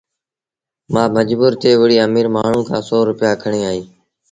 مآ مجبور ٿئي وري اميٚر مآڻهوٚٚݩ کآݩ سو روپيآ کڻي آئيٚ